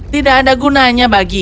tidak ada gunanya bagiku